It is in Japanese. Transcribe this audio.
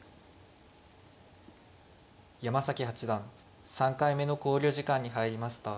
山崎八段３回目の考慮時間に入りました。